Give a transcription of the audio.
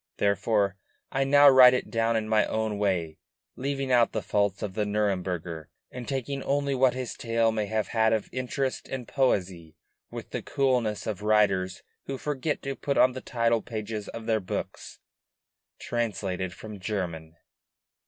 Therefore, I now write it down in my own way; leaving out the faults of the Nuremburger, and taking only what his tale may have had of interest and poesy with the coolness of writers who forget to put on the title pages of their books: "Translated from the German."